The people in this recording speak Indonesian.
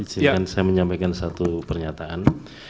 silahkan saya menyampaikan satu pernyataan